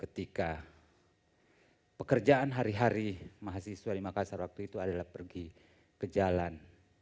ketika pekerjaan hari hari mahasiswa di makassar waktu itu adalah pergi ke jalan